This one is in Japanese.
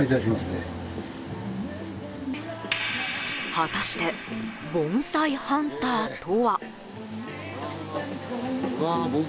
果たして盆栽ハンターとは？